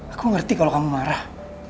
aku ngerti kalau kamu marah